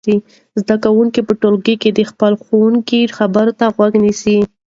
زده کوونکي په ټولګي کې د خپل ښوونکي خبرو ته غوږ نیسي.